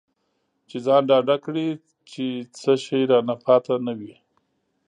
چې ځان ډاډه کړي چې څه شی رانه پاتې نه وي.